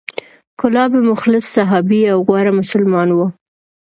کلاب مخلص صحابي او غوره مسلمان و،